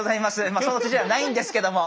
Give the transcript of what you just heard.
まあ正月じゃないんですけども。